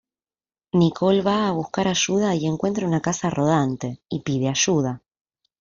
Nicole va a buscar ayuda y encuentra una casa rodante y pide ayuda.